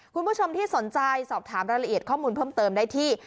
คุณผู้ชมที่สนใจสอบถามรายละเอียดข้อมูลเพิ่มเติมได้ที่